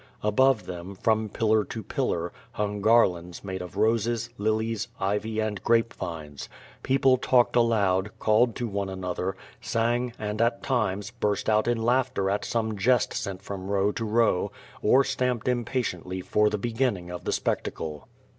Above them, from pillar to pillar, hung garlands made of roses, lilies, ivy and grapevines. People talked aloud, called to one another, sang anc]^ at times, burst out in laugh ter at some jest sent from row to row, or stamped impatiently for the beginning of the spectacle.